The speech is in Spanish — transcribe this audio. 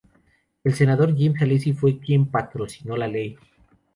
El senador James Alesi fue quien patrocinó la ley.